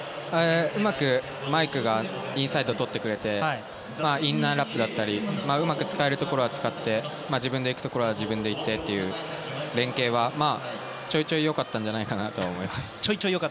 うまく、マイクがインサイドをとってくれてインナーラップだったりうまく使えるところは使えて自分で行くところは自分で行ってという連係はちょいちょい良かったんじゃないかなと思います。